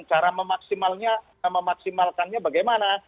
cara memaksimalkannya bagaimana